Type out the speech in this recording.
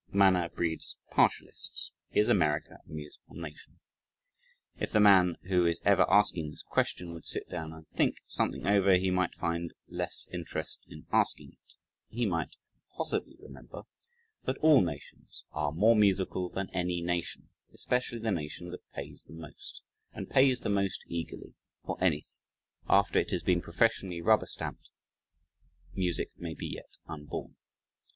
Manner breeds partialists. "Is America a musical nation?" if the man who is ever asking this question would sit down and think something over he might find less interest in asking it he might possibly remember that all nations are more musical than any nation, especially the nation that pays the most and pays the most eagerly, for anything, after it has been professionally rubber stamped. Music may be yet unborn.